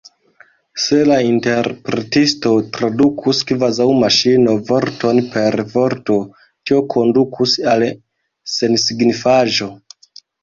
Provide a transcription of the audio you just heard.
Se la interpretisto tradukus kvazaŭ maŝino, vorton per vorto, tio kondukus al sensignifaĵo.